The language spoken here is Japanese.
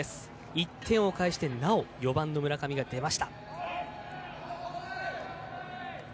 １点を返して、なお４番の村上が出ました。